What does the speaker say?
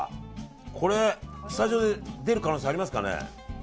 これスタジオで出る可能性ありますかね。